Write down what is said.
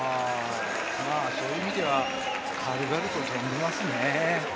そういう意味では、軽々と跳んでいますね。